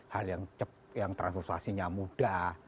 hal yang transversasinya mudah